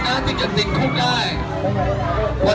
และยังก็มีวันที่เราติดมีคุกได้